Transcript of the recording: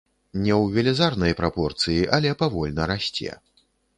Не ў велізарнай прапорцыі, але павольна расце.